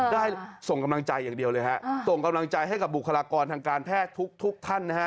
ได้ส่งกำลังใจอย่างเดียวเลยฮะส่งกำลังใจให้กับบุคลากรทางการแพทย์ทุกท่านนะฮะ